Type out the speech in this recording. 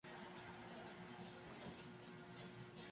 Se encuentra del costado Atlántico de la isla.